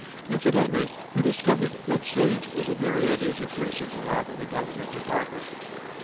Incidentally he discovered that Sage was a very uneasy person to have in a Government department.